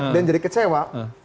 dan jadi kecewa